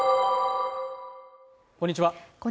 こんにちは